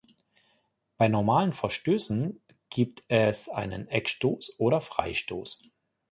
Bei normalen Verstößen gibt es einen Eckstoß oder Freistoß.